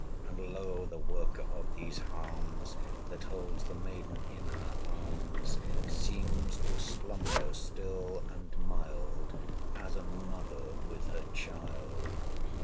And lo! the worker of these harms, That holds the maiden in her arms, Seems to slumber still and mild, 300 As a mother with her child.